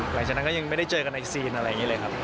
หลังจากนั้นก็ยังไม่ได้เจอกันในซีนอะไรอย่างนี้เลยครับ